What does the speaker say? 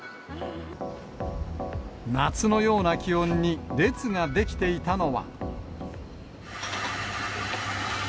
夏のような気温に、列が出来ていたのは。